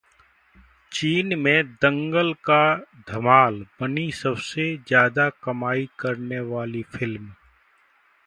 चीन में 'दंगल' का धमाल, बनी सबसे ज्यादा कमाई करने वाली फिल्म